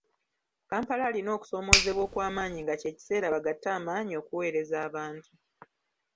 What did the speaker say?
Kampala alina okusoomoozebwa okw’amaanyi nga kye kiseera bagatte amaanyi okuweereza abantu.